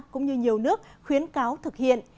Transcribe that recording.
cũng như nhiều nước khuyến cáo thực hiện